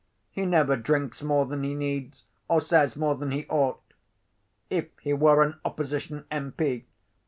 He never drinks more than he needs, or says more than he ought. If he were an opposition M.